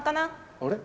あれ？